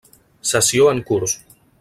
Sessió en curs.